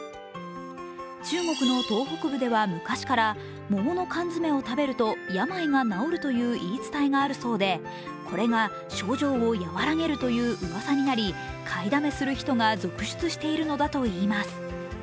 中国の東北部では昔から桃の缶詰を食べると病が治るという言い伝えがあるそうで、これが症状をやわらげるとうわさになり、買いだめする人が続出しているのだといいます。